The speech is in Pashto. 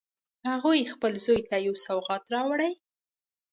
هغې خپل زوی ته یو سوغات راوړی